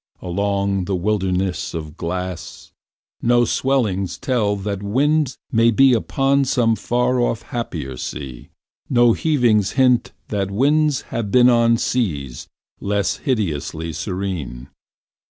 Along that wilderness of glass, No swellings tell that winds may be Upon some far off happier sea, No heavings hint that winds have been On seas less hideously serene.